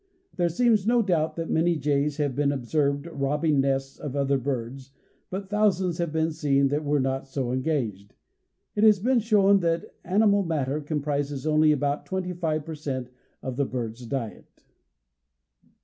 There seems no doubt that many jays have been observed robbing nests of other birds, but thousands have been seen that were not so engaged. It has been shown that animal matter comprises only about twenty five per cent. of the bird's diet.